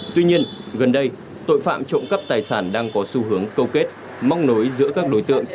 tuy nhiên gần đây tội phạm trộm cắp tài sản đang có xu hướng câu kết móc nối giữa các đối tượng